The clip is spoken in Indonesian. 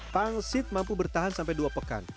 pangsit mampu bertahan sampai dua pekan